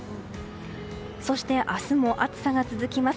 そして、明日も暑さが続きます。